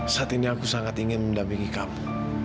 saat ini aku sangat ingin mendampingi kamu